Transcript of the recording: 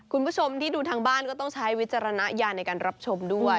คุณผู้ชมที่ดูทางบ้านก็ต้องใช้วิจารณญาณในการรับชมด้วย